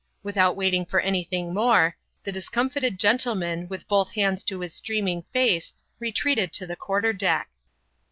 Without waiting for any thing more, the discomfited gentleman, with both hands to his streaming face, retreated to the quarter deck.